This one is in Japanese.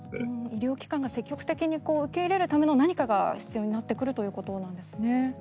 医療機関が積極的に受け入れるための何かが必要になってくるということなんですね。